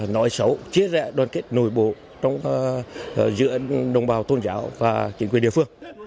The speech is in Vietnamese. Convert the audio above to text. nói xấu chia rẽ đoàn kết nổi bộ giữa nông bào tôn giáo và chính quyền địa phương